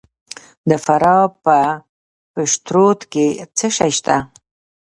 د فراه په پشترود کې څه شی شته؟